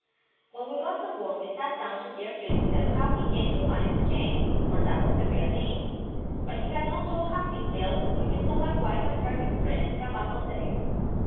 When we got on board we sat down to hear Fritz tell how he came to find Miss Jane, for that was her real name; but he had not told half his tale when he saw my wife and her new friend come up on deck.